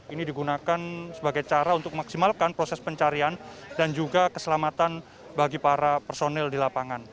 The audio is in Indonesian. ini digunakan sebagai cara untuk memaksimalkan proses pencarian dan juga keselamatan bagi para personil di lapangan